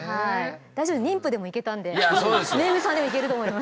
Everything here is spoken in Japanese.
大丈夫妊婦でも行けたんで恵さんでも行けると思います。